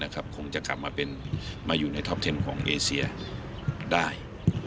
คงจะกลับมาอยู่ในท็อปเทมของเอเซียได้